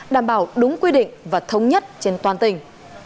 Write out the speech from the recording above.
đảm bảo đúng quy định và thống nhất trên toàn tỉnh